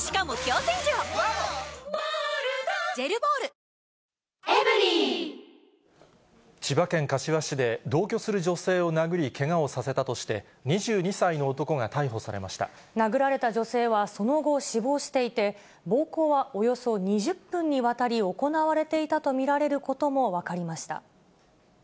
救急隊の人たちが結構、千葉県柏市で、同居する女性を殴り、けがをさせたとして、２２歳の男が逮捕され殴られた女性はその後、死亡していて、暴行はおよそ２０分にわたり行われていたと見られることも分かりました。